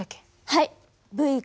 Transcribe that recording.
はい。